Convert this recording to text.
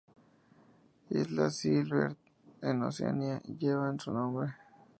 Las islas Gilbert, en Oceanía, llevan su nombre.